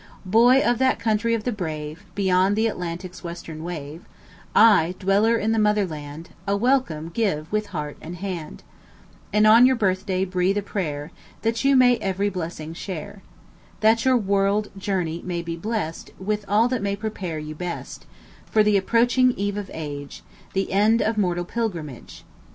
Boy of that country of the brave, Beyond the Atlantic's western wave, I, dweller in the motherland, A welcome give with heart and hand; And on your birthday breathe a prayer That you may every blessing share; That your world journey may be blest With all that may prepare you best For the approaching eve of age The end of mortal pilgrimage.